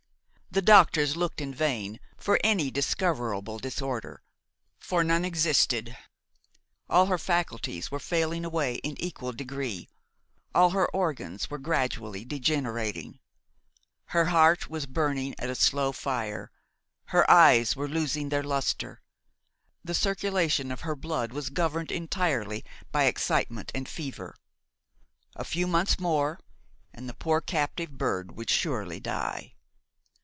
The doctors looked in vain for any discoverable disorder, for none existed; all her faculties were failing away in equal degree, all her organs were gradually degenerating; her heart was burning at a slow fire, her eyes were losing their lustre, the circulation of her blood was governed entirely by excitement and fever; a few months more and the poor captive bird would surely die.